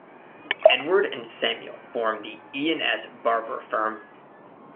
Edward and Samuel formed the "E and S Barbour" firm.